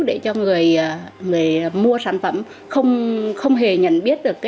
để cho người mua sản phẩm không hề nhận biết được